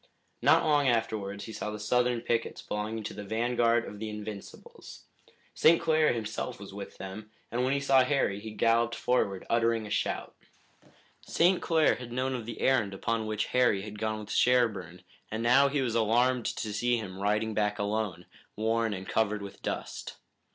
Not long afterwards he saw the Southern pickets belonging to the vanguard of the Invincibles. St. Clair himself was with them, and when he saw Harry he galloped forward, uttering a shout. St. Clair had known of the errand upon which Harry had gone with Sherburne, and now he was alarmed to see him riding back alone, worn and covered with dust.